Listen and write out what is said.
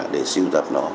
để siêu tập nó